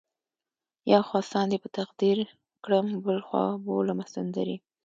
یو خوا ساندې په تقدیر کړم بل خوا بولمه سندرې